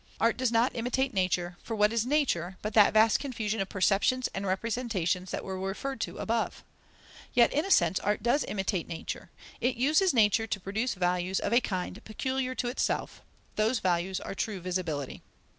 Art does not imitate nature, for what is nature, but that vast confusion of perceptions and representations that were referred to above? Yet in a sense art does imitate nature; it uses nature to produce values of a kind peculiar to itself. Those values are true visibility.